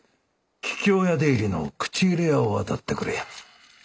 桔梗屋出入りの口入れ屋を当たってくれ。